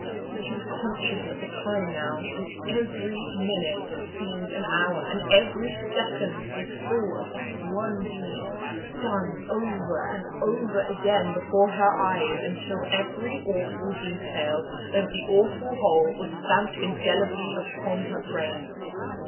She was conscious of the time now, and every minute seemed an hour, and every second was full of that one deed, done over and over again before her eyes, until every awful detail of the awful whole was stamped indelibly upon her brain.